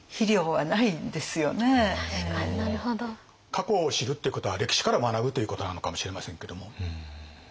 過去を知るっていうことは歴史から学ぶということなのかもしれませんけども。